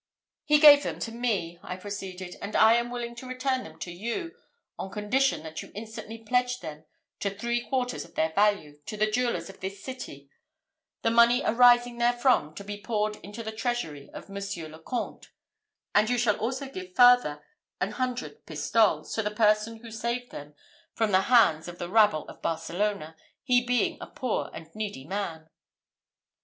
"He gave them to me," I proceeded; "and I am willing to return them to you, upon condition that you instantly pledge them to three quarters of their value, to the jewellers of this city; the money arising therefrom to be poured into the treasury of Monsieur le Comte; and you shall also give farther an hundred pistoles to the person who saved them from the hands of the rabble of Barcelona, he being a poor and needy man."